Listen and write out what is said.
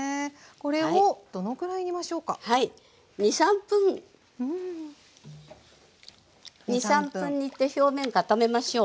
２３分２３分煮て表面固めましょう。